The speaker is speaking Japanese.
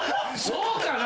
そうかな？